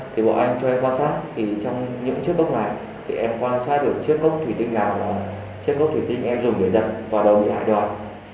thì bọn anh cho em quan sát trong những chất cốc này em quan sát được chất cốc thủy tinh nào là chất cốc thủy tinh em dùng để đập vào đầu bị hại đoạn